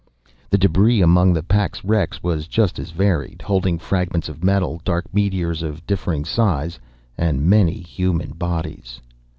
The debris among the pack's wrecks was just as varied, holding fragments of metal, dark meteors of differing size and many human bodies.